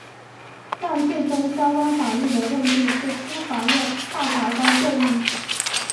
但最终相关法律的认定是司法院大法官会议。